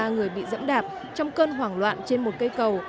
ba trăm năm mươi ba người bị dẫm đạp trong cơn hoảng loạn trên một cây cầu